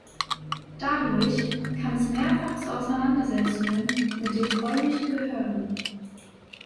Dadurch kam es mehrfach zu Auseinandersetzungen mit den polnischen Behörden.